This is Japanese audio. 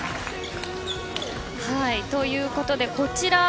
ということで、こちら。